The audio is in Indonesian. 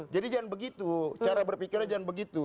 jadi jangan begitu cara berpikirnya jangan begitu